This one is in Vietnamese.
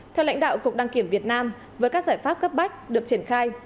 theo lãnh đạo cục đăng kiểm việt nam với các giải pháp cấp bách được triển khai